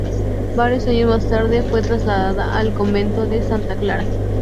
Varios años más tarde fue trasladada al Convento de Santa Clara.